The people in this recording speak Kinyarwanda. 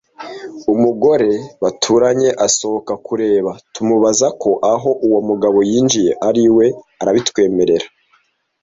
umugore baturanye asohoka kureba tumubaza ko aho uwo mugabo yinjiye ari iwe arabitwemerera